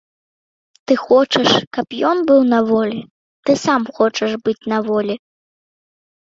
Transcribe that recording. Ты хочаш, каб ён быў на волі, ты сам хочаш быць на волі.